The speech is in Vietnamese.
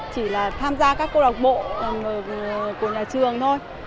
chỉ là tham gia các cô đặc bộ của nhà trường thôi